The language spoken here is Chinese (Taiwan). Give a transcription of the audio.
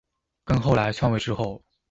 跟後來篡位之後